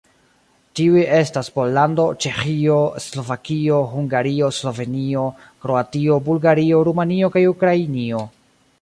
Tiuj estas Pollando, Ĉeĥio, Slovakio, Hungario, Slovenio, Kroatio, Bulgario, Rumanio kaj Ukrainio.